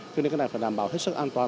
cho nên cái này phải đảm bảo hết sức an toàn